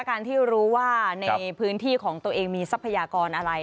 การที่รู้ว่าในพื้นที่ของตัวเองมีทรัพยากรอะไร